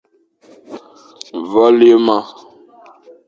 Vale ye ma.